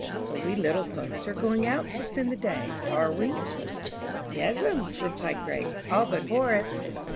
"So we little folks are going out to spend the day, are we?" "Yes'm," replied Grace, "all but Horace."